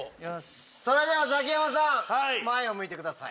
それではザキヤマさん前を向いてください。